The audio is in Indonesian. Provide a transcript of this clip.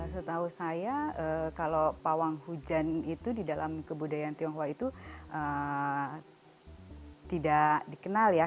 setahu saya kalau pawang hujan itu di dalam kebudayaan tionghoa itu tidak dikenal ya